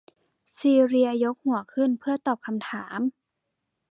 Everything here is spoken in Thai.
ซีเลียยกหัวขึ้นเพื่อตอบคำถาม